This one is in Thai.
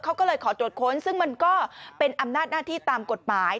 เขาก็เลยขอตรวจค้นซึ่งมันก็เป็นอำนาจหน้าที่ตามกฎหมาย